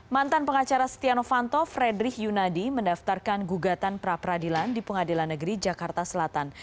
mantan pengacara setia novanto fredrik yunadi mendaftarkan gugatan pra peradilan di pengadilan negeri jakarta selatan